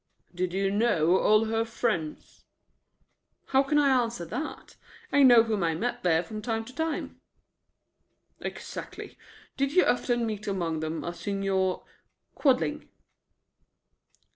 "Did you know all her friends?" "How can I answer that? I know whom I met there from time to time." "Exactly. Did you often meet among them a Signor Quadling?"